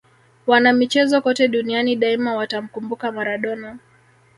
wanamichezo kote duniani daima watamkumbuka maradona